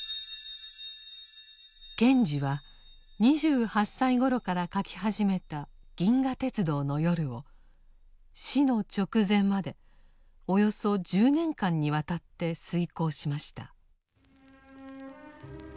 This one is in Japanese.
賢治は２８歳ごろから書き始めた「銀河鉄道の夜」を死の直前までおよそ１０年間にわたって推敲しました。